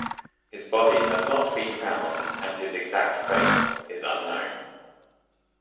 His body has not been found and his exact fate is unknown.